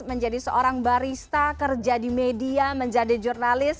menjadi seorang barista kerja di media menjadi jurnalis